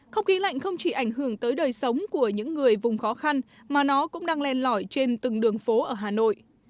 không khí lạnh không chỉ ảnh hưởng tới đời sống của những người vùng khó khăn mà nó cũng đang len lỏi trên từng đường phố ở hà nội